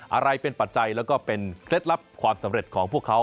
อะไรเป็นปัจจัยแล้วก็เป็นเคล็ดลับความสำเร็จของพวกเขา